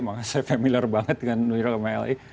makanya saya familiar banget dengan new york sama la